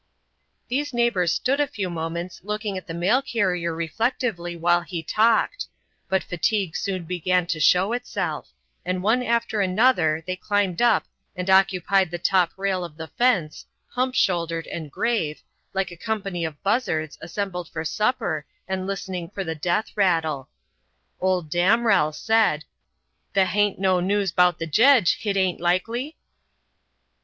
These neighbors stood a few moments looking at the mail carrier reflectively while he talked; but fatigue soon began to show itself, and one after another they climbed up and occupied the top rail of the fence, hump shouldered and grave, like a company of buzzards assembled for supper and listening for the death rattle. Old Damrell said: "Tha hain't no news 'bout the jedge, hit ain't likely?"